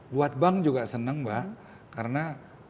buat bank juga seneng mba karena